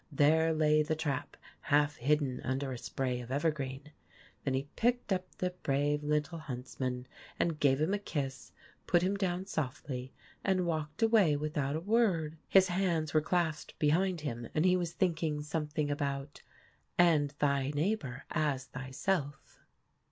There lay the trap half hidden under a spray of evergreen. Then he picked up the brave little huntsman and gave him a kiss, put him down softly, and walked away without a word. His hands were clasped behind him and he was thinking something about " and thy neighbor as thyself."